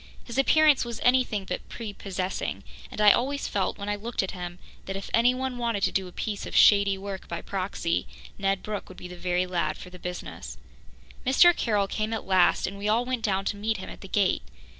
His appearance was anything but prepossessing, and I always felt, when I looked at him, that if anyone wanted to do a piece of shady work by proxy, Ned Brooke would be the very lad for the business. Mr. Carroll came at last, and we all went down to meet him at the gate.